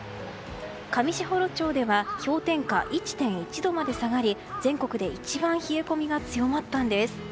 上士幌町では氷点下１．１度まで下がり全国で一番冷え込みが強まったんです。